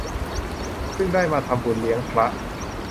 ซึ่งได้มาทำบุญเลี้ยงพระ